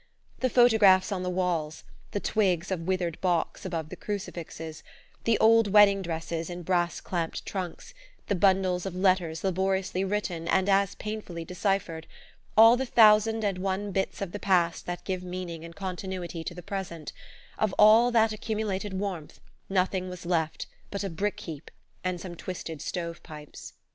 The photographs on the walls, the twigs of withered box above the crucifixes, the old wedding dresses in brass clamped trunks, the bundles of letters laboriously written and as painfully deciphered, all the thousand and one bits of the past that give meaning and continuity to the present of all that accumulated warmth nothing was left but a brick heap and some twisted stove pipes!